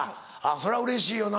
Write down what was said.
それはうれしいよな。